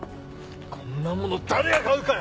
こんなもの誰が買うかよ！